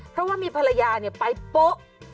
ถ้าว่ามีภรรยาเนี่ยไปป๊ะ